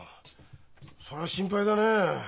そりゃ心配だねえ。